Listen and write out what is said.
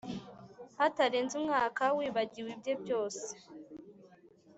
hatarenze umwaka, wibagiwe ibye byose